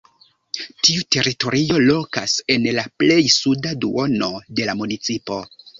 Tiu teritorio lokas en la plej suda duono de la municipo.